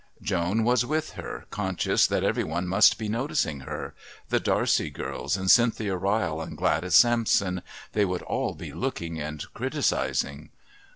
Joan was with her, conscious that every one must be noticing her the D'Arcy girls and Cynthia Ryle and Gladys Sampson, they would all be looking and criticising.